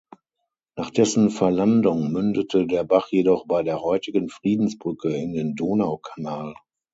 Nach dessen Verlandung mündete der Bach jedoch bei der heutigen Friedensbrücke in den Donaukanal.